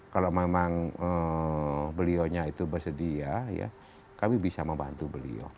kalau memang beliaunya itu bersedia kami bisa membantu beliau